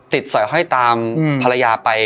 ติดสอยไฮ่ตามภรรยาไป